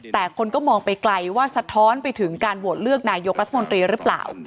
แต่คนก็มองไปไกลว่าสะท้อนไปถึงการโหวตเลือกนายกรัฐมนตรีหรือเปล่า